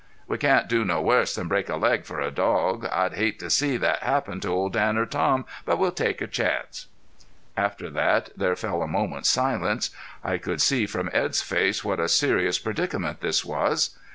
We can't do no worse than break a leg for a dog. I'd hate to see thet happen to Old Dan or Tom. But we'll take a chance." After that there fell a moment's silence. I could see from Edd's face what a serious predicament this was.